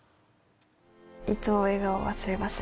いつも笑顔忘れません。